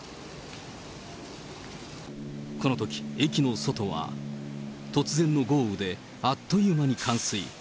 このとき、駅の外は、突然の豪雨であっという間に冠水。